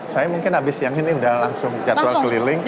saya mungkin habis siang ini udah langsung jadwal keliling